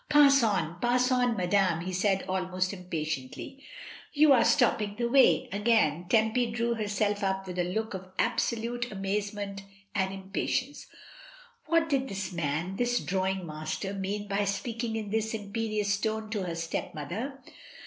"Pass on, pass on, madame," he said almost impatiently; "you are stopping the way." Again Tempy drew herself up with a look of absolute amazement and impatience; what did this man, this drawing master, mean by speaking in this imperious tone to her stepmother?